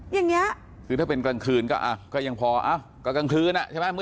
อย่างนี้คือถ้าเป็นกลางคืนก็อ่ะก็ยังพอก็กลางคืนอ่ะใช่ไหม